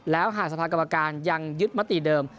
แล้วหากสภากรรมการยังยึดมติเดิม